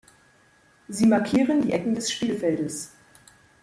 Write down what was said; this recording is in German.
Sie markieren die Ecken des Spielfeldes.